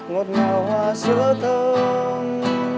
ngọt màu hoa sữa thơm